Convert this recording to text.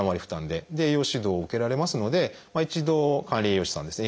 で栄養指導を受けられますので一度管理栄養士さんですね